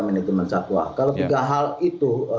manajemen satwa kalau tiga hal itu